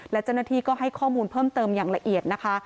และเจ้าหน้าที่ก็ให้ข้อมูลเพิ่มเติมอย่างละเอียดนะคะ